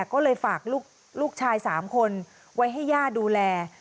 ก็เลยฝากลูกชาย๓คนไว้ให้ย่าดูแล